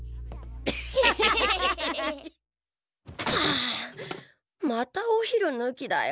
あまたお昼ぬきだよ。